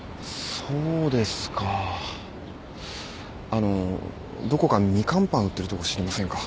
あのどこかみかんパン売ってるとこ知りませんか？